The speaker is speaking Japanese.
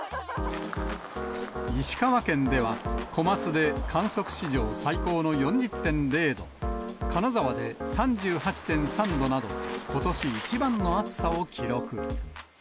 石川県では、小松で観測史上最高の４０．０度、金沢で３８．３度など、ことし一番の暑さを記録。